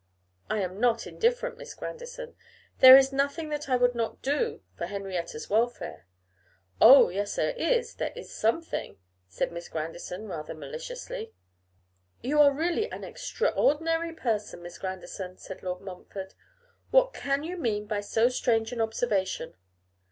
'I am not indifferent, Miss Grandison. There is nothing that I would not do for Henrietta's welfare.' 'Oh! yes, there is; there is something,' said Miss Grandison, rather maliciously. 'You are really an extraordinary person, Miss Grandison,' said Lord Montfort. 'What can you mean by so strange an observation?